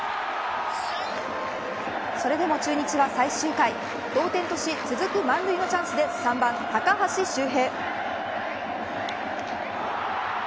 それでも中日は最終回同点とし、続く満塁のチャンスで３番、高橋周平。